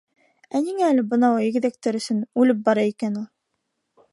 Ә ниңә әле бынауы игеҙәктәр өсөн үлеп бара икән ул?